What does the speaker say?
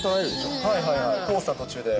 コースの途中で。